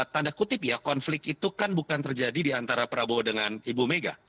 tanda kutip ya konflik itu kan bukan terjadi di antara prabowo dengan ibu mega